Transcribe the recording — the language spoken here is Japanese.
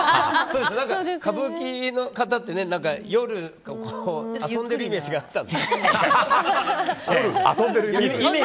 歌舞伎の方って、夜とか遊んでいるイメージがあったので。